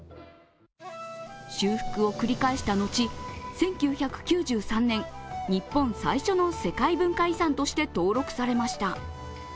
修復を繰り返した後、１９９３年、日本最初の世界文化遺産として登録されました。